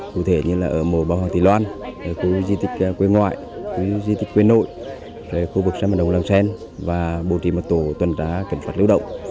cụ thể như là ở mùa bảo hoàng tỷ loan khu di tích quê ngoại khu di tích quê nội khu vực xe mặt đồng làng sen và bổ trị một tổ tuần trá kiểm pháp lưu động